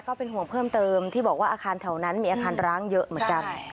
ก็เป็นห่วงเพิ่มเติมที่บอกว่าอาคารแถวนั้นมีอาคารร้างเยอะเหมือนกัน